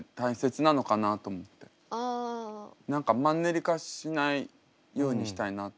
何かマンネリ化しないようにしたいなって。